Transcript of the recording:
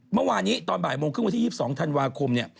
เมื่อวานี้ตอนบ่ายโมงครึ่งวันที่๒๒ธันวาคม